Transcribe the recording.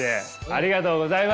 ありがとうございます。